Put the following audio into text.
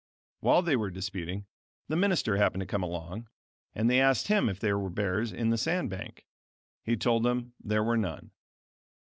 While they were disputing, the minister happened to come along, and they asked him if there were bears in the sand bank. He told them there were none.